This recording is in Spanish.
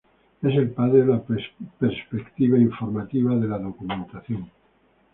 Es el padre de la perspectiva informativa de la Documentación.